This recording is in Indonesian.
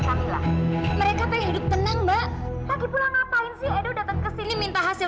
fadil mereka pengen hidup tenang mbak ngapain sih datang ke sini minta hasil